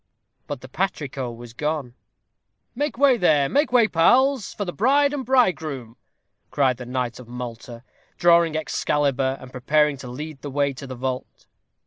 But the patrico was gone. "Make way there make way, pals, for the bride and bridegroom," cried the knight of Malta, drawing Excalibur, and preparing to lead the way to the vault.